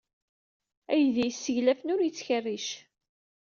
Aydi yesseglafen ur yettkerric.